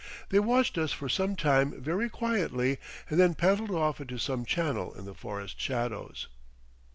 They watched us for some time very quietly and then paddled off into some channel in the forest shadows.